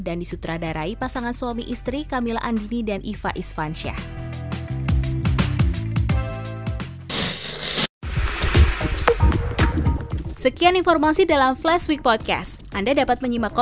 dan disutradarai pasangan suami istri kamila andini dan iva isfansyah